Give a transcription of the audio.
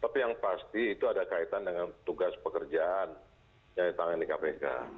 tapi yang pasti itu ada kaitan dengan tugas pekerjaan yang ditangani kpk